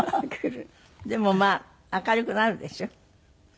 でもまあ明るくなるでしょ？